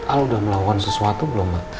al udah melakukan sesuatu belum mbak